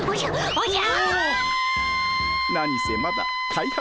おじゃ。